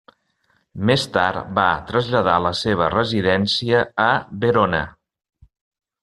Més tard va traslladar la seva residència a Verona.